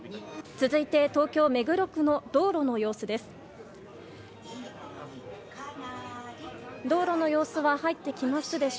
続いて、東京・目黒区の道路の様子です。